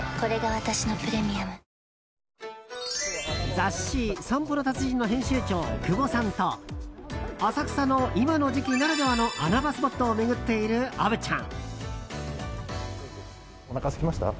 雑誌「散歩の達人」の編集長久保さんと浅草の今の時期ならではの穴場スポットを巡っている虻ちゃん。